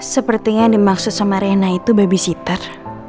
sepertinya yang dimaksud sama rena itu babysitter